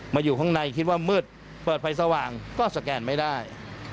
อยู่ข้างในคิดว่ามืดเปิดไฟสว่างก็สแกนไม่ได้